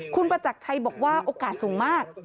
คุณประจักรชัยบอกว่าโอกาสสูงมาก